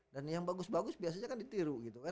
dan yang bagus bagus biasanya kan ditiru